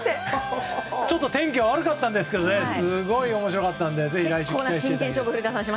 ちょっと天気は悪かったんですけどすごい面白かったのでぜひ来週期待してください。